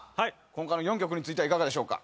今回の４曲についてはいかがでしょうか。